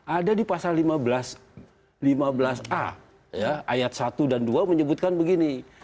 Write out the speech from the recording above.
ada di pasal lima belas a ayat satu dan dua menyebutkan begini